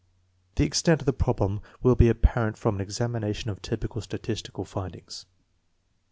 The extent of the problem will be apparent from an examination of typical statistical findings.